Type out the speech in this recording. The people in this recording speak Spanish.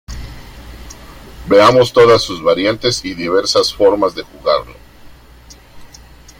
Veamos todas sus variantes y diversas formas de jugarlo.